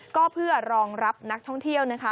ก็เพื่อรองรับนักท่องเที่ยวนะคะ